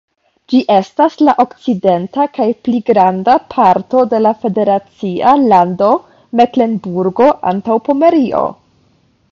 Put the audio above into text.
Ĝi estas la okcidenta kaj pli granda parto de la federacia lando Meklenburgo-Antaŭpomerio.